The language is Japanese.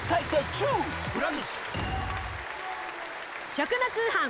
食の通販。